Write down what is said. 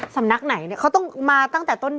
สำนักไหนเนี่ยเขาต้องมาตั้งแต่ต้น